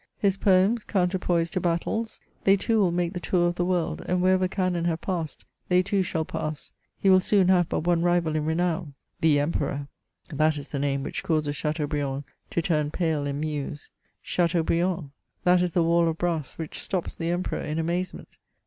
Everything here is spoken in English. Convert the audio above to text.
His poems, counterpoise tojMrttles, they too will make the tour of the world, andjpcfa^fever cannon have passed, they too shall pass. He yvjiOrioon have but one rival in renown the Emperor. The Ejaaperpr f — That is the name which causes Chateau briand to turn pale and muse. Chateaubriand !— That is the wall of brass which stops the Emperor, in amazement.